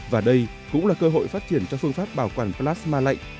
và đây cũng là cơ hội phát triển cho phương pháp bảo quản plasma lạnh